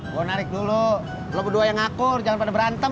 gue narik dulu lagu dua yang ngakur jangan pada berantem